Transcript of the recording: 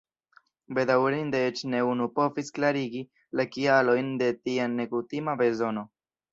Bedaŭrinde eĉ ne unu povis klarigi la kialojn de tia nekutima bezono.